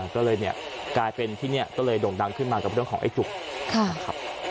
ก็เลยเนี่ยกลายเป็นที่เนี่ยก็เลยโด่งดังขึ้นมากับผู้ชมของไอ้จุกค่ะ